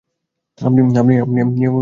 আপনি গিয়ে দিন না।